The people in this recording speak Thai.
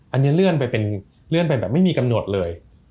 อันนี้เลื่อนไปเป็นแบบไม่มีกำหนดเลย